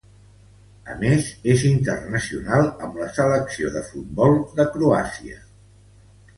A més, és internacional amb la selecció de futbol de Croàcia.